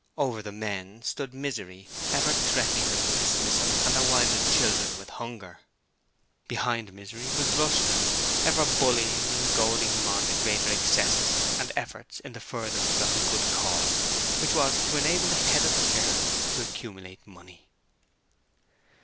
Over the men stood Misery, ever threatening them with dismissal and their wives and children with hunger. Behind Misery was Rushton, ever bullying and goading him on to greater excesses and efforts for the furtherance of the good cause which was to enable the head of the firm to accumulate money.